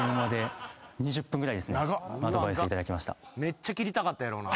めっちゃ切りたかったやろうな。